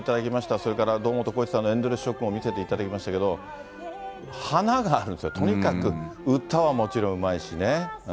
それから堂本光一さんのエンドレスショックも見せていただきましたけど、華があるんですよ、とにかく歌はもちろんうまいしね。